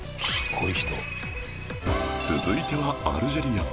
続いてはアルジェリア